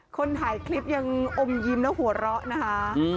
คนถ่ายคลิปยังอมยิ้มแล้วหัวเราะนะคะ